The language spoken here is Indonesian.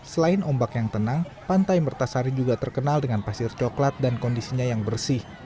selain ombak yang tenang pantai mertasari juga terkenal dengan pasir coklat dan kondisinya yang bersih